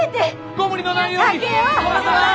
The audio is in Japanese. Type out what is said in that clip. ご無理のないように！